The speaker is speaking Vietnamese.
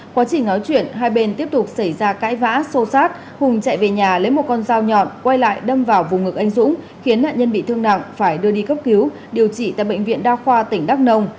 quá trình nói chuyện hai bên tiếp tục xảy ra cãi vã sô sát hùng chạy về nhà lấy một con dao nhọn quay lại đâm vào vùng ngực anh dũng khiến nạn nhân bị thương nặng phải đưa đi cấp cứu điều trị tại bệnh viện đa khoa tỉnh đắk nông